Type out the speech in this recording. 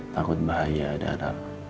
takut bahaya ada anak